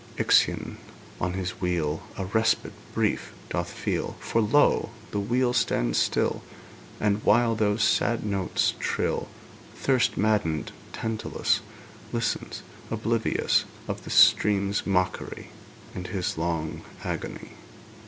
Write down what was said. Ixion, on his wheel, A respite brief doth feel; For, lo! the wheel stands still. And, while those sad notes thrill, Thirst maddened Tantalus Listens, oblivious Of the stream's mockery And his long agony.